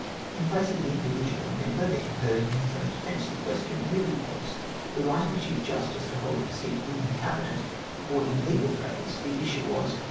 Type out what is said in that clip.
In place of an individual member being heard in his own defence, the question really was the right of a Chief Justice to hold a seat in the Cabinet, or in legal phrase, the issue was.